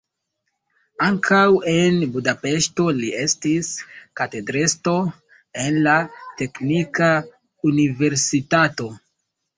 Ankaŭ en Budapeŝto li estis katedrestro en la teknika universitato.